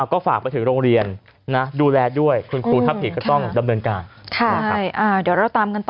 ก็ฝากไปถึงโรงเรียนนะดูแลด้วยคุณครูถ้าผิดก็ต้องดำเนินการนะครับ